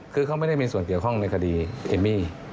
คือเขาไม่ได้มีส่วนเกี่ยวข้องในคดีเอมมี่